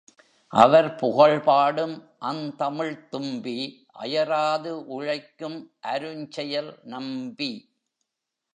அவர் புகழ்பாடும் அந்தமிழ்த் தும்பி அயராது உழைக்கும் அருஞ்செயல் நம்பி!